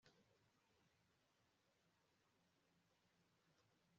iyaba nari mfite amafaranga make, nari kuyagura